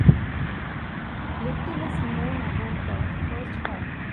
Little is known about the first hall.